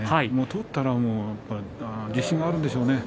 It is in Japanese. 取ったらもう自信があるんでしょうね。